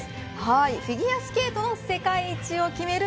フィギュアスケートの世界一を決める